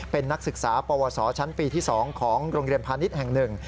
เป็นนักศึกษาปวสชั้นปีที่๒ของโรงเรียนพาณิชย์แห่งหนึ่ง